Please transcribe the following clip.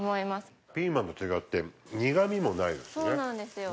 ピーマンと違って苦味もないですしね。